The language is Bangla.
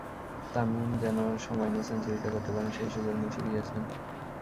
তামিম যেন সময় নিয়ে সেঞ্চুরিটা করতে পারেন, সেই সুযোগ মুশিই দিয়েছেন।